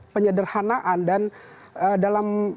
penyederhanaan dan dalam